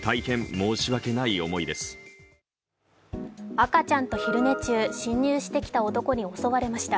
赤ちゃんと昼寝中、侵入してきた男に襲われました。